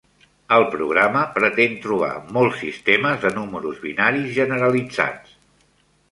El programa pretén trobar molts sistemes de números binaris generalitzats.